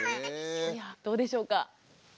どうでしょうか？